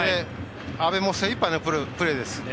阿部も、精いっぱいのプレーです。